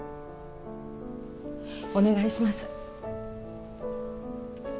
お願いします